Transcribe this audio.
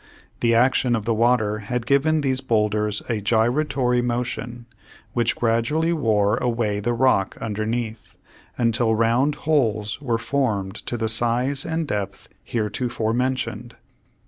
The action of the water had given these bowlders a gyratory motion, which gradually wore away the rock underneath until round holes were formed to the size and depth heretofore mentioned.